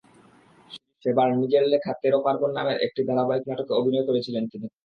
সেবার নিজের লেখা তেরো পার্বণ নামের একটি ধারাবাহিক নাটকে অভিনয় করেছিলেন তিনি।